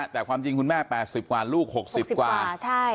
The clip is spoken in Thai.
แต่ความจริงคุณแม่๘๐กว่าลูก๖๐กว่า